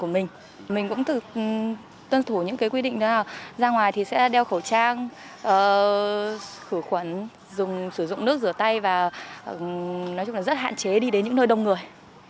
mình cũng tân thủ những quy định ra ra ngoài thì sẽ đeo khẩu trang khử khuẩn sử dụng nước rửa tay và nói chung là rất hạn chế đi đến những nơi đông người